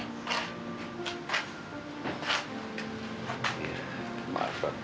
ya maaf pak